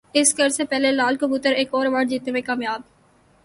Oscar سے پہلے لال کبوتر ایک اور ایوارڈ جیتنے میں کامیاب